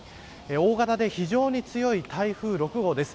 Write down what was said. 大型で非常に強い台風６号です。